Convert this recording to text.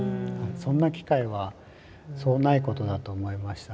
そんな機会はそうないことだと思いましたんで。